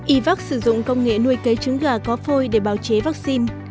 ivac sử dụng công nghệ nuôi cấy trứng gà có phôi để bào chế vaccine